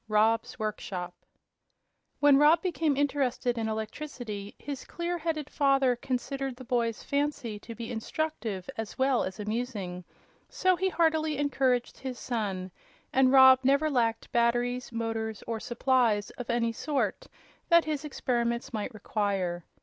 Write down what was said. Rob's Workshop When Rob became interested in electricity his clear headed father considered the boy's fancy to be instructive as well as amusing; so he heartily encouraged his son, and Rob never lacked batteries, motors or supplies of any sort that his experiments might require.